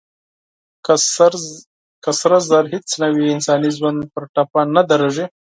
که سره زر هېڅ نه وي، انساني ژوند پر ټپه نه درېږي.